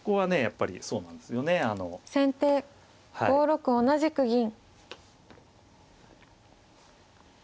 ５六同じく銀。